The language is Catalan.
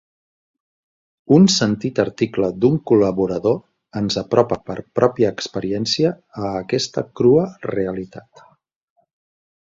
Un sentit article d'un col·laborador ens apropa per pròpia experiència a aquesta crua realitat.